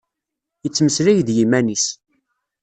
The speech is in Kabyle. Ittmeslay d yiman-is.